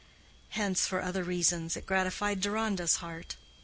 Hence, and for other reasons, it gratified Deronda's heart.